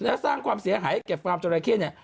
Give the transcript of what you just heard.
แล้วสร้างความเสียหายแก่ฟาร์มจราเข้เนี่ย